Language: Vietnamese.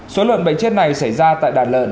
số lợn bệnh chết này xảy ra tại đàn lợn